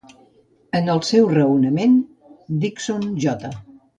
En el seu raonament, Dickson J.